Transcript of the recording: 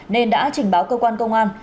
nên đã trình báo cơ quan công an